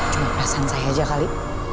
cuma perasaan saya aja kali